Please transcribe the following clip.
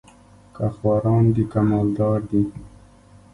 که خواران دي که مال دار دي